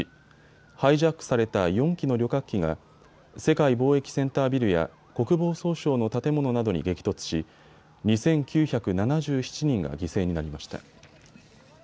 ハイジャックされた４機の旅客機が世界貿易センタービルや国防総省の建物などに激突し２９７７人が犠牲になりました。